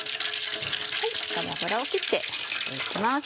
しっかり油を切って行きます。